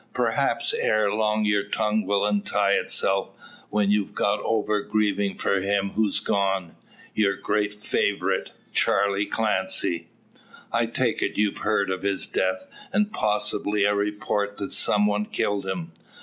Perhaps, ere long your tongue will untie itself; when you've got over grieving for him who's gone your great favourite, Charley Clancy. I take it, you've heard of his death; and possibly a report, that some one killed him.